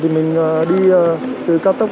thì mình đi từ cao tốc